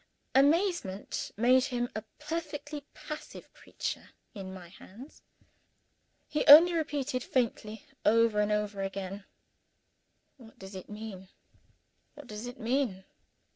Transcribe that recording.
Amazement made him a perfectly passive creature in my hands. He only repeated faintly, over and over again, "What does it mean? what does it mean?"